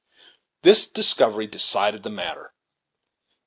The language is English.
This discovery decided the matter.